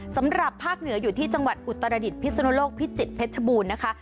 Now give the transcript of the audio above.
สำหรับภาคเหนืออยู่ที่จังหวัดอุตรดิษฐพิศนุโลกพิจิตรเพชรบูรณ์นะคะ